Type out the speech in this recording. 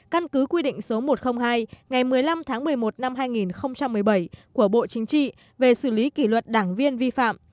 căn cứ quy định số một trăm linh hai ngày một mươi năm tháng một mươi một năm hai nghìn một mươi bảy của bộ chính trị về xử lý kỷ luật đảng viên vi phạm